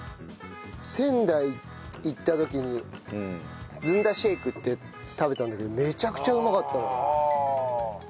仙台行った時にずんだシェイクって食べたんだけどめちゃくちゃうまかった。